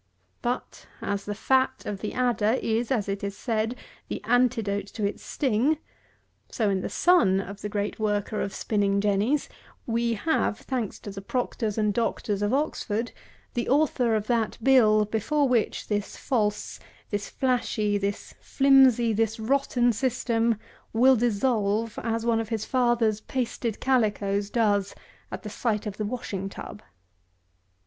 But, as the fat of the adder is, as is said, the antidote to its sting; so in the Son of the great worker of Spinning Jennies, we have, thanks to the Proctors and Doctors of Oxford, the author of that Bill, before which this false, this flashy, this flimsy, this rotten system will dissolve as one of his father's pasted calicoes does at the sight of the washing tub.